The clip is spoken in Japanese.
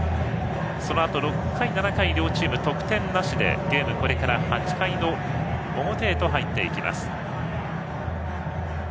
そのあと６回、７回は両チーム得点なしでゲームはこれから８回の表へと入っていきます。